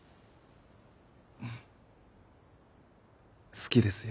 好きですよ。